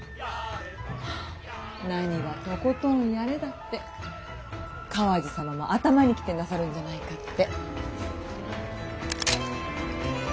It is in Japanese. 何が「トコトンヤレ」だって川路様も頭にきてなさるんじゃないかって。